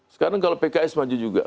sekarang kalau pks maju juga